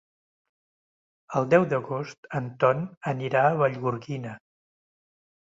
El deu d'agost en Ton anirà a Vallgorguina.